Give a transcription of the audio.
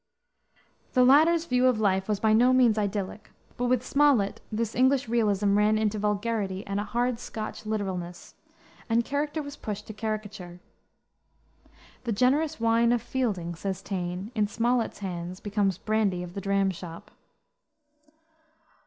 The latter's view of life was by no means idyllic; but with Smollett this English realism ran into vulgarity and a hard Scotch literalness, and character was pushed to caricature. "The generous wine of Fielding," says Taine, "in Smollett's hands becomes brandy of the dram shop."